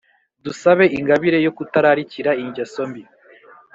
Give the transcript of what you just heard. dusabe ingabire yo kutararikira ingeso mbi.